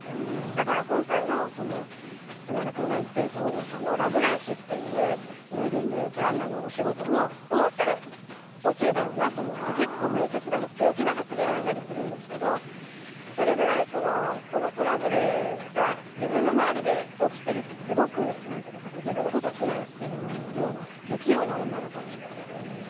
だから今回の山田君が演じている東郷のラ・ブランシュというウエディングプランナーのお仕事もどうせ落ちるだろうなと思って結構、面接でも強気な発言をしたりするんですけど、それぐらい、トラブルが自分の周りで起きているのを、すごく自分のことを非難しているような不器用な女の子なんですよね。